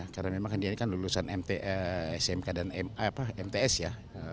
karena dia kan lulusan smk dan mts ya